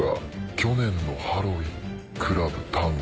去年のハロウィーンクラブ・タンゴ。